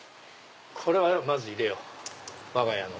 これはまず入れようわが家の。